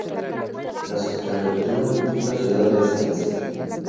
La subprefectura es la ciudad de Sens.